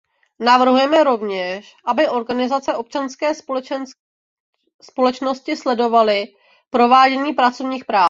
Navrhujeme rovněž, aby organizace občanské společnosti sledovaly provádění pracovních práv.